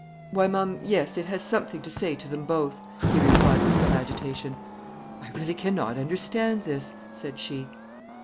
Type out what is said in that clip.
"Why, ma'am, yes, it has something to say to them both," he replied, with some agitation. "I really cannot understand this," said she.